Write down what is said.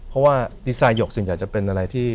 เพราะว่าดีไซน์หยกสัญญาจะเป็นอะไรที่